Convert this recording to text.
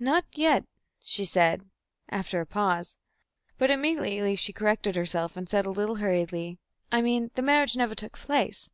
"Not yet," she said, after a pause, but immediately she corrected herself, and said a little hurriedly, "I mean the marriage never took place."